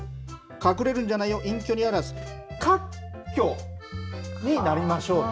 隠れるんじゃないよ、隠居にあらず、活居になりましょうと。